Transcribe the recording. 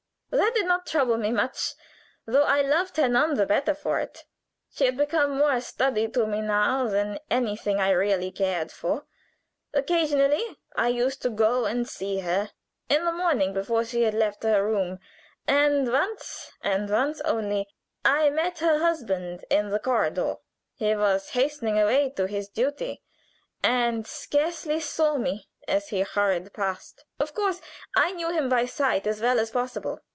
"That did not trouble me much, though I loved her none the better for it. She had become more a study to me now than anything I really cared for. Occasionally I used to go and see her, in the morning, before she had left her room; and once, and once only, I met her husband in the corridor. He was hastening away to his duty, and scarcely saw me as he hurried past. Of course I knew him by sight as well as possible.